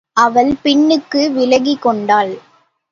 அவள் பின்னுக்கு விலகிக்கொண்டாள்.